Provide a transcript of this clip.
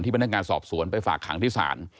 ที่เป็นเรื่องงานสอบสวนไปฝากขังที่ศาล